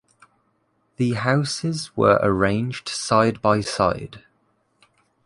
The houses were arranged side by side.